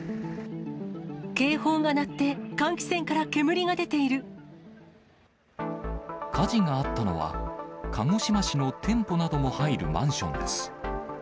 警報が鳴って、換気扇から煙火事があったのは、鹿児島市の店舗なども入るマンションです。